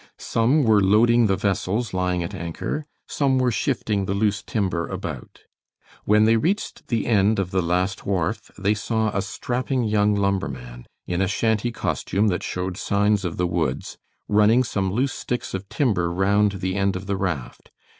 Some were loading the vessels lying at anchor, some were shifting the loose timber about. When they reached the end of the last wharf, they saw a strapping young lumberman, in a shanty costume that showed signs of the woods, running some loose sticks of timber round the end of the raft.